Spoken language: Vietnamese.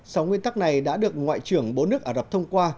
sáu nguyên tắc này đã được ngoại trưởng bốn nước ả rập thông qua